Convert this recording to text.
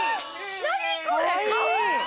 何これ！